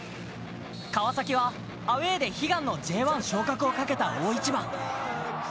川崎は、アウェーで悲願のＪ１昇格をかけた大一番。